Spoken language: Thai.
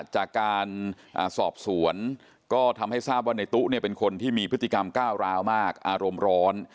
จากการสอบสวนก็ทำให้ทราบว่าในตู้เป็นคนที่มีพฤติกรรมก้าวร้าวมากอารมณ์ร้อน